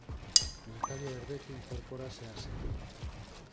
Natalia Verbeke incorpórase á serie